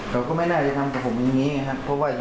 โดนตัวเองผมก็เสียงให้เขา